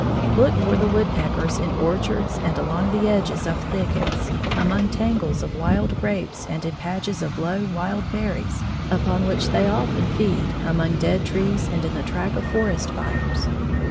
Look for the woodpeckers in orchards and along the edges of thickets, among tangles of wild grapes and in patches of low, wild berries, upon which they often feed, among dead trees and in the track of forest fires.